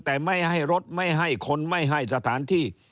แต่ไม่ให้รถไม่ให้คนไม่ให้สถานที่